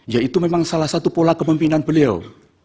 ya itu memang salah satu pola kepemimpinan beliau